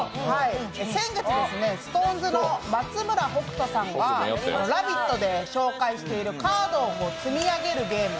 先月、ＳｉｘＴＯＮＥＳの松村北斗さんが「ラヴィット！」で紹介しているカードを積み上げるゲーム。